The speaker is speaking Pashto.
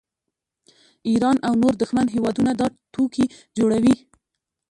ایران او نور دښمن هیوادونه دا ټوکې جوړوي